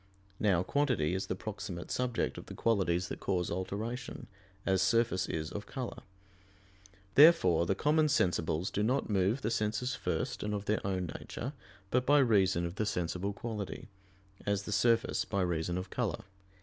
Now quantity is the proximate subject of the qualities that cause alteration, as surface is of color. Therefore the common sensibles do not move the senses first and of their own nature, but by reason of the sensible quality; as the surface by reason of color.